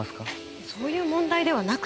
そういう問題ではなくて。